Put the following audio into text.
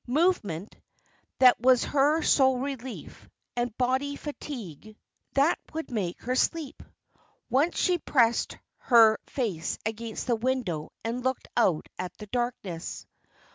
Movement that was her sole relief; and bodily fatigue that would make her sleep. Once she pressed her face against the window and looked out at the darkness.